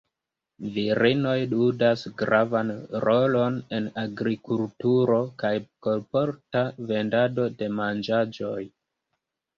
Virinoj ludas gravan rolon en agrikulturo kaj kolporta vendado de manĝaĵoj.